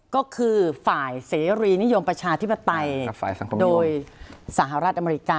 ก็คือฝ่ายเสรีนิยมประชาธิปไตยโดยสหรัฐอเมริกา